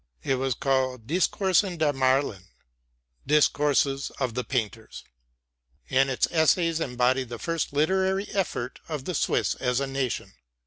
It was called Discoursen der Mahlern (Discourses of the Painters), and its essays embody the first literary effort of the Swiss as a nation.